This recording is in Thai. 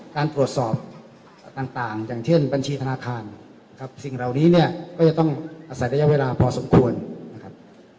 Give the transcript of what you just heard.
การตรวจสอบต่างอย่างเช่นบัญชีธนาคารครับสิ่งเหล่านี้เนี่ยก็จะต้องอาศัยระยะเวลาพอสมควรนะครับ